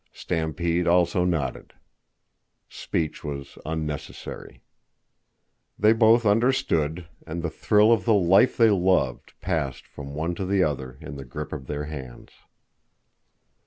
Stampede also nodded. Speech was unnecessary. They both understood, and the thrill of the life they loved passed from one to the other in the grip of their hands.